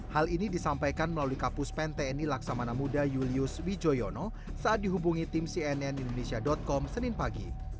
hal ini disampaikan melalui kapus pen tni laksamana muda julius wijoyono saat dihubungi tim cnn indonesia com senin pagi